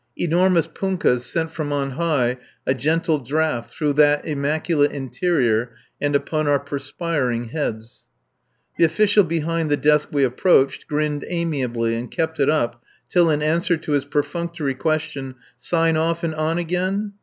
Enormous punkahs sent from on high a gentle draught through that immaculate interior and upon our perspiring heads. The official behind the desk we approached grinned amiably and kept it up till, in answer to his perfunctory question, "Sign off and on again?"